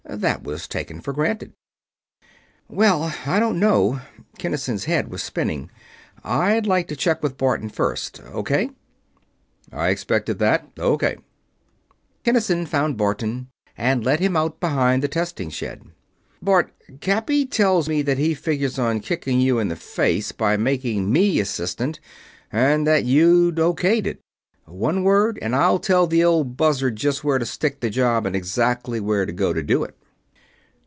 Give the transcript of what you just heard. That was taken for granted. "Well, I don't know." Kinnison's head was spinning. "I'd like to check with Barton first. O.K.?" "I expected that. O.K." Kinnison found Barton and led him out behind the testing shed. "Bart, Cappy tells me that he figures on kicking you in the face by making me Assistant and that you O.K.'d it. One word and I'll tell the old buzzard just where to stick the job and exactly where to go to do it."